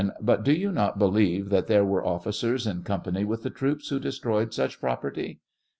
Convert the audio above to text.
But do you not believe that there were officers in company with the troops who destroyed such property